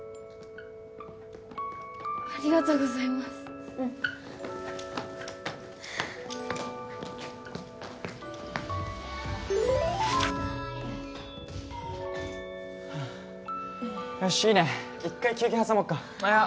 ありがとうございますうんよしっいいね一回休憩挟もっかいや